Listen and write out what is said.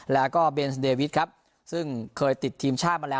แล้วก็เบนสเดวิทครับซึ่งเคยติดทีมชาติมาแล้ว